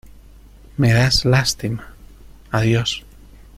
Me das lástima. Adiós .